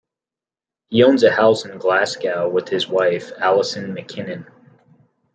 He owns a house in Glasgow with his wife, Alison McKinnon.